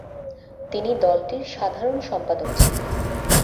তিনি দলটির সাধারণ সম্পাদক ছিলেন।